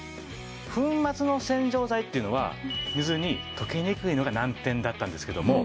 粉末の洗浄剤っていうのは水に溶けにくいのが難点だったんですけども。